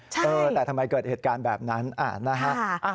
เออแต่ทำไมเกิดเหตุการณ์แบบนั้นนะฮะ